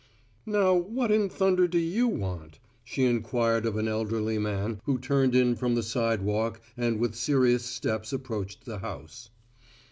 "Now what in thunder do you want?" she inquired of an elderly man who turned in from the sidewalk and with serious steps approached the house.